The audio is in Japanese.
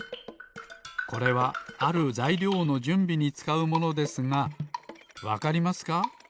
これはあるざいりょうのじゅんびにつかうものですがわかりますか？